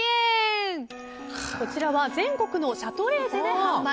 こちらは全国のシャトレーゼで販売。